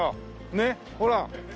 ねっほら。